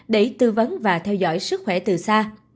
để tư vấn và theo dõi sức khỏe từ xa